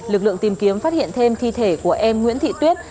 lực lượng tìm kiếm phát hiện thêm thi thể của em nguyễn thị tuyết